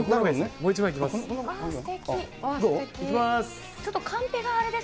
もう１枚いきます。